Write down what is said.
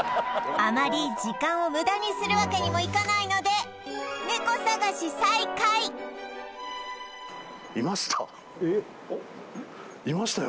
あまり時間を無駄にするわけにもいかないのでいましたよ